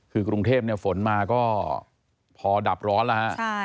คือกรุงเทพฝนมาก็พอดับร้อนแล้วฮะ